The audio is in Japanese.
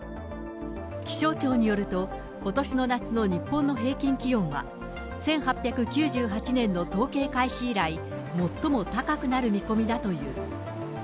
気象庁によると、ことしの夏の日本の平均気温は、１８９８年の統計開始以来、最も高くなる見込みだという。